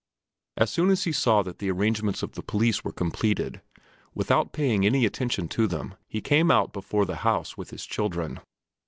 As soon as he saw that the arrangements of the police were completed, without paying any attention to them he came out before the house with his children.